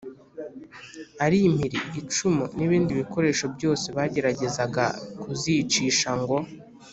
ari impiri, icumu n’ibindi bikoresho byose bageragezaga kuzicisha ngo